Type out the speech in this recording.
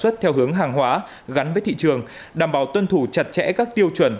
xuất theo hướng hàng hóa gắn với thị trường đảm bảo tuân thủ chặt chẽ các tiêu chuẩn